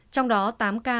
trong đó tám ca